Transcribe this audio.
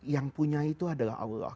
yang punya itu adalah allah